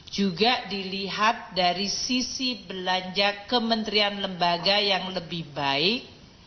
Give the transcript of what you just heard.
juga dilihat dari sisi belanja kementerian lembaga yang lebih baik